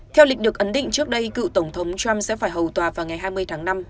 theo lịch được ấn định trước đây cựu tổng thống trump sẽ phải hầu tòa vào ngày hai mươi tháng năm